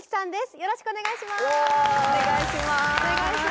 よろしくお願いします！